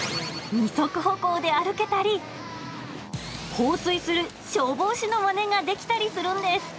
二足歩行で歩けたり、放水する消防士のまねができたりするんです。